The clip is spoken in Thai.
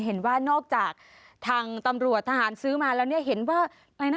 เห็นว่านอกจากทางตำรวจทหารซื้อมาแล้วเนี่ยเห็นว่าอะไรนะ